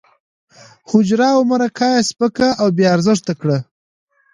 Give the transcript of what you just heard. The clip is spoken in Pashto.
حجره او مرکه یې سپکه او بې ارزښته کړه.